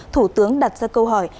thủ tướng đặt ra câu hỏi